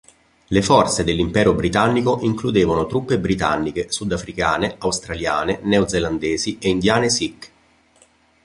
Le forze dell'Impero britannico includevano truppe britanniche, sudafricane, australiane, neozelandesi e indiane Sikh.